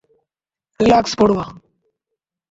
Relax, পড়ুয়া।